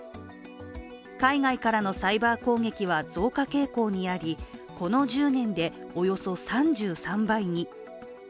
海外からのサイバー攻撃は増加傾向にありこの１０年でおよそ３３倍に。